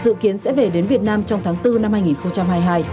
dự kiến sẽ về đến việt nam trong tháng bốn năm hai nghìn hai mươi hai